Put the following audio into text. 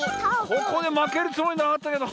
ここでまけるつもりなかったけど。